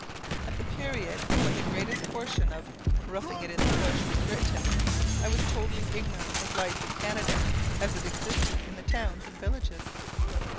At the period when the greatest portion of "Roughing it in the Bush" was written, I was totally ignorant of life in Canada, as it existed in the towns and villages.